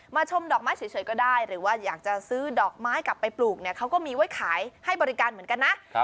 ชมดอกไม้เฉยก็ได้หรือว่าอยากจะซื้อดอกไม้กลับไปปลูกเนี่ยเขาก็มีไว้ขายให้บริการเหมือนกันนะ